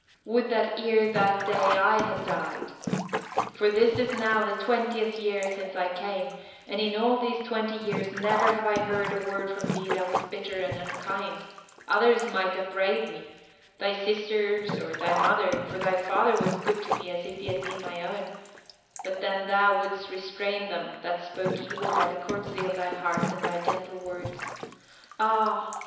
Would that ere that day I had died! For this is now the twentieth year since I came, and in all these twenty years never heard I a word from thee that was bitter and unkind; others might upbraid me, thy sisters or thy mother, for thy father was good to me as if he had been my own; but then thou wouldst restrain them that spoke evil by the courtesy of thy heart and thy gentle words. Ah!